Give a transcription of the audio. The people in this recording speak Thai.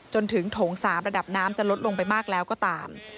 จนถึงโถง๓ระดับน้ำจะลดลงไปมากแล้วก็ตาม